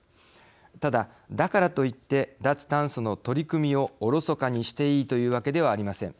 ただだからといって脱炭素の取り組みをおろそかにしていいというわけではありません。